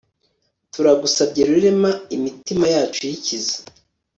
turagusabye rurema, imitima yikize